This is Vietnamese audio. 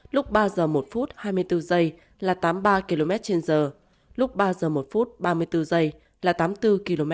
lúc ba giờ một phút hai mươi bốn giây là tám mươi ba km trên giờ lúc ba giờ một phút ba mươi bốn giây là tám mươi bốn km